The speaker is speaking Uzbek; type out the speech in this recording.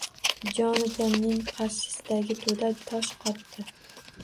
Jonatanning qarshisidagi To‘da tosh qotdi.